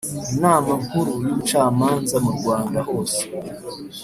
Inama Nkuru y’ubucamanza mu urwanda hose